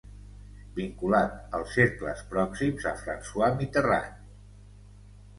Vinculat als cercles pròxims a François Mitterrand.